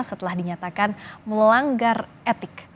setelah dinyatakan melanggar etik